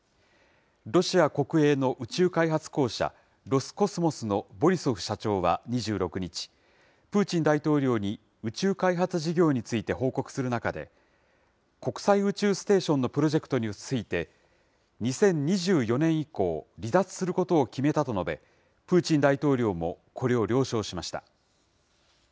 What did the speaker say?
ロシア国営の宇宙開発公社、ロスコスモスのボリソフ社長は２６日、プーチン大統領に宇宙開発事業について報告する中で、国際宇宙ステーションのプロジェクトについて、２０２４年以降、離脱することを決めたと述べ、プーチン大統領もこれを了承しました。